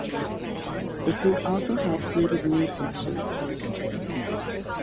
The suit also had pleated knee sections.